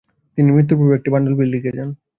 তিনি মৃত্যুর পূর্বে একটি পাণ্ডুলিপি লিখে যান।